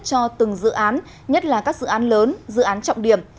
cho từng dự án nhất là các dự án lớn dự án trọng điểm